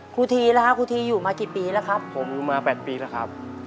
ครูทีแล้วครับครูทีอยู่มากี่ปีแล้วครับผมอยู่มา๘ปีแล้วครับ